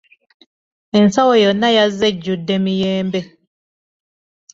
Ensawo yonna yazze ejjudde miyembe?